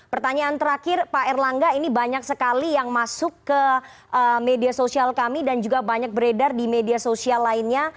pertanyaan terakhir pak erlangga ini banyak sekali yang masuk ke media sosial kami dan juga banyak beredar di media sosial lainnya